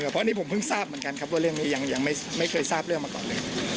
เพราะอันนี้ผมเพิ่งทราบเหมือนกันครับว่าเรื่องนี้ยังไม่เคยทราบเรื่องมาก่อนเลย